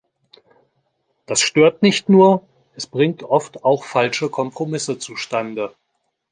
Das stört nicht nur, es bringt oft auch falsche Kompromisse zu Stande.